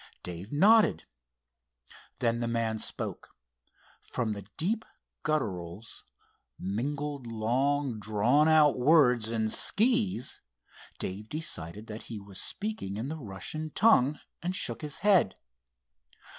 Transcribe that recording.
Dave nodded. Then the man spoke. From the deep gutterals, mingled long drawn out words and "skis." Dave decided that he was speaking in the Russian tongue, and shook his head.